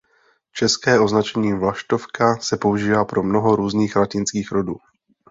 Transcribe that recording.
České označení vlaštovka se používá pro mnoho různých latinských rodů.